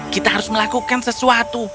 kita harus melakukan sesuatu